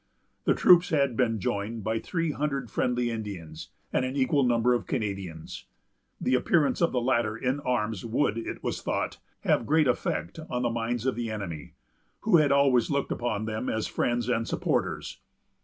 The troops had been joined by three hundred friendly Indians, and an equal number of Canadians. The appearance of the latter in arms would, it was thought, have great effect on the minds of the enemy, who had always looked upon them as friends and supporters.